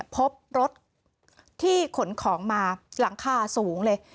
พบรถที่ขนของมาหลังคาสูงเลย